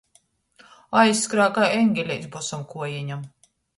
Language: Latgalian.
Aizskrēja kai eņgeleits bosom kuojeņom.